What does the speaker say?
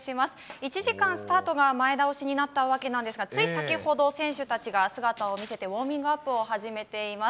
１時間、スタートが前倒しになったわけなんですが、つい先ほど、選手たちが姿を見せて、ウォーミングアップを始めています。